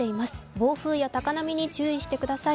暴風や高波に注意してください。